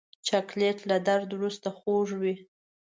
چاکلېټ له درد وروسته خوږ وي.